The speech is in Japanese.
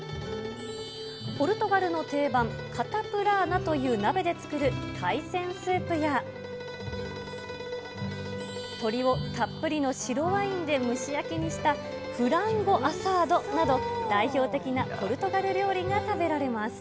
ポルトガルの定番、カタプラーナという鍋で作る海鮮スープや、鶏をたっぷりの白ワインで蒸し焼きにしたフランゴ・アサードなど、代表的なポルトガル料理が食べられます。